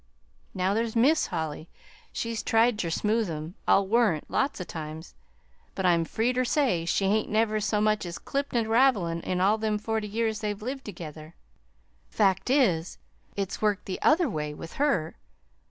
Now, there's Mis' Holly she's tried ter smooth 'em, I'll warrant, lots of times. But I'm free ter say she hain't never so much as clipped a ravelin' in all them forty years they've lived tergether. Fact is, it's worked the other way with her.